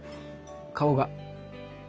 顔が。